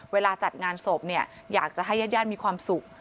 เวลาจัดงานศพเนี่ยอยากจะให้ญาติญาติมีความสุข